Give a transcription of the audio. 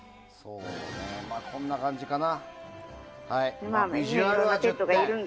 こんな感じかな。